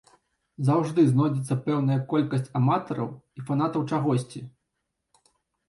Заўжды знойдзецца пэўная колькасць аматараў і фанатаў чагосьці.